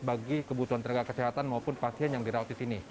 bagi kebutuhan tenaga kesehatan maupun pasien yang dirawat di sini